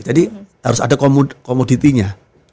jadi harus ada komoditinya